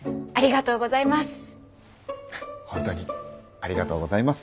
ありがとうございます！